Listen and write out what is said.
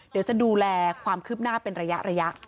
เดี๋ยวจะดูแลความคืบหน้าเป็นระยะ